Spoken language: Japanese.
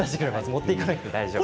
持っていかなくても大丈夫です。